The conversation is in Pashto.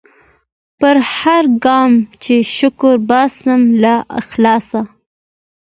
پر هرګام چي شکر باسم له اخلاصه